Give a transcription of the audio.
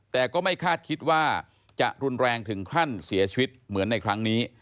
แต่ก็ไม่คาดคิดว่าจะรุนแรงถึงขั้นเสียชีวิตเหมือนในครั้งนี้